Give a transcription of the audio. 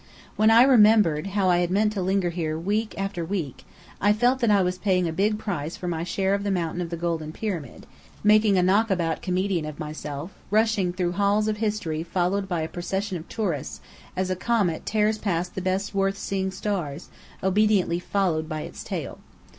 When I remembered how I had meant to linger here week after week, I felt that I was paying a big price for my share of the Mountain of the Golden Pyramid, making a knock about comedian of myself, rushing through halls of history followed by a procession of tourists, as a comet tears past the best worth seeing stars, obediently followed by its tail.